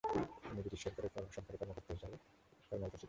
তিনি ব্রিটিশ সরকারের কর্মকর্তা হিসেবে কর্মরত ছিলেন।